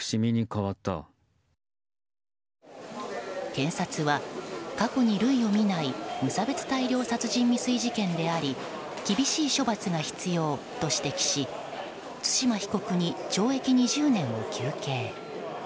検察は、過去に類を見ない無差別大量殺人未遂事件であり厳しい処罰が必要と指摘し対馬被告に懲役２０年を求刑。